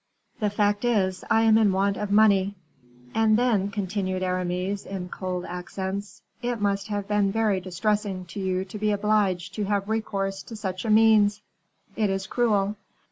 "The fact is, I am in want of money." "And then," continued Aramis, in cold accents, "it must have been very distressing to you to be obliged to have recourse to such a means. It is cruel."